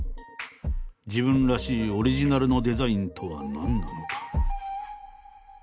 自分らしいオリジナルのデザインとは何なのか。